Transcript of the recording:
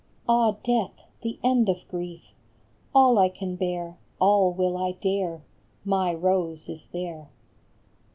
Ah, death, the end of grief ! All I can bear, all will I dare ! My Rose is there